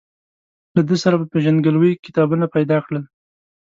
له ده سره په پېژندګلوۍ کتابونه پیدا کړل.